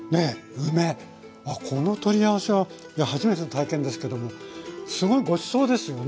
梅この取り合わせはいや初めての体験ですけどもすごいごちそうですよね。